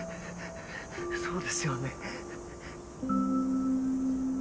そうですよね？